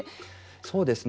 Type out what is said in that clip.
そうですね。